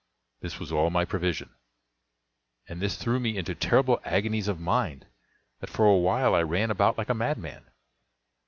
This was all my provision; and this threw me into terrible agonies of mind, that for a while I ran about like a madman.